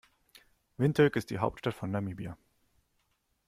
Windhoek ist die Hauptstadt von Namibia.